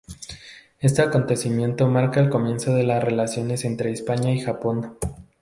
Este acontecimiento marca el comienzo de la relaciones entre España y Japón.